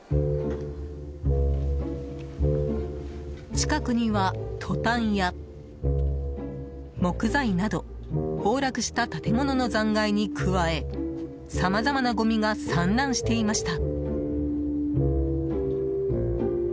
近くには、トタンや木材など崩落した建物の残骸に加えさまざまなごみが散乱していました。